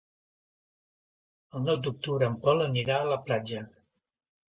El nou d'octubre en Pol anirà a la platja.